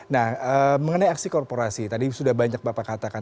nah mengenai aksi korporasi tadi sudah banyak bapak katakan